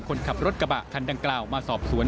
คนขับรถกระบะคันดังกล่าวมาสอบสวน